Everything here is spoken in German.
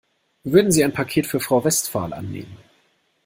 Würden Sie ein Paket für Frau Westphal annehmen?